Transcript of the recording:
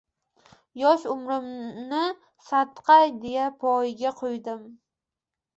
Yosh umrimni sadqa, deya poyiga qo’ydim